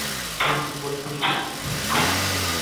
তিনি বলটিকে বেশ দেরীতে মোকাবেলা করতেন।